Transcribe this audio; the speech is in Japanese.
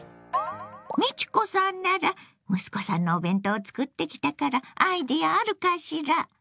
美智子さんなら息子さんのお弁当を作ってきたからアイデアあるかしら？